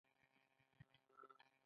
مصنوعي ځیرکتیا د پرېکړو بهیر چټکوي.